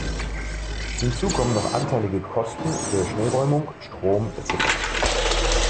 Hinzu kommen noch anteilige Kosten für Schneeräumung, Strom etc.